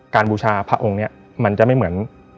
บูชาพระองค์นี้มันจะไม่เหมือน